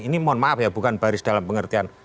ini mohon maaf ya bukan baris dalam pengertian